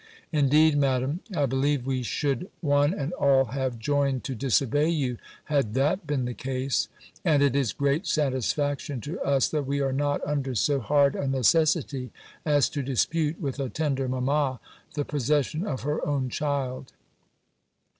Indeed, Madam, I believe we should one and all have joined to disobey you, had that been the case; and it is a great satisfaction to us, that we are not under so hard a necessity, as to dispute with a tender mamma the possession of her own child.